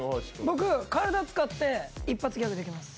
僕体使って一発ギャグできます。